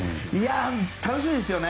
楽しみですよね。